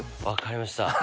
わかりました。